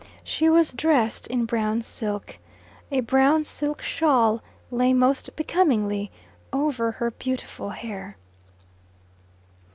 She was dressed in brown silk. A brown silk shawl lay most becomingly over her beautiful hair.